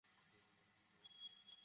আমি গোয়েন্দা কর্মকর্তা।